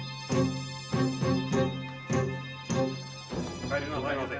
お帰りなさいませ。